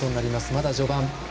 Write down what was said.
まだ序盤。